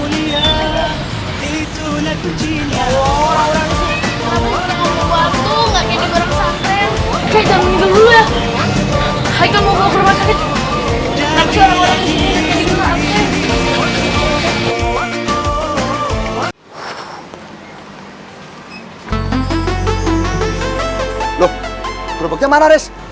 loh berapa banyak mana res